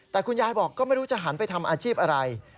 แต่คุณยายบอกก็ไม่รู้จะหันไปทำอาชีพอะไร